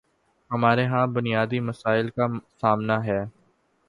ہمارے ہاں بنیادی مسائل کا سامنا ہے۔